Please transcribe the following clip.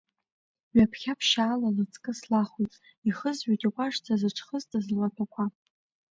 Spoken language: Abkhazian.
Ҩаԥхьа ԥшьаала лыҵкы слахоит, ихызҩоит иҟәашӡа зыҽхызтыз луаҭәақәа.